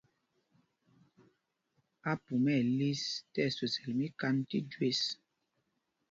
Ápumá ɛ liš tí ɛswesɛl míkand tí jüés.